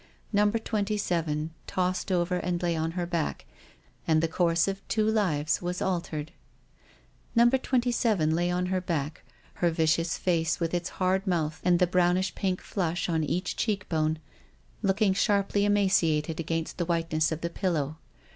Number Twenty seven tossed over and lay on her back, and the course of two lives was altered. NUMBER TWENTY SEVEN. 233 Number Twenty seven lay on her back, her vicious face, with its hard mouth and the brownish pink flush on each cheek bone, look ing sharply emaciated against the whiteness of the pillow.